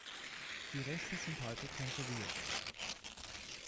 Die Reste sind heute konserviert.